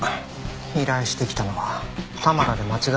依頼してきたのは玉田で間違いないですね？